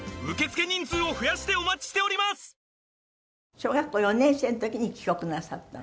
小学校４年生の時に帰国なさったの？